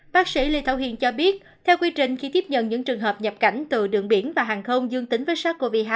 bác sĩ lê thảo hiền cho biết theo quy trình khi tiếp nhận những trường hợp nhập cảnh từ đường biển và hàng không dương tính với sars cov hai